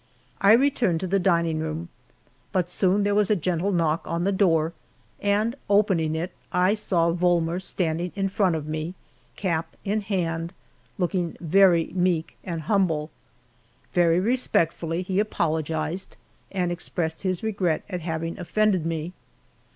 I returned to the dining room, but soon there was a gentle knock on the door, and opening it, I saw Volmer standing in front of me, cap in hand, looking very meek and humble. Very respectfully he apologized, and expressed his regret at having offended me.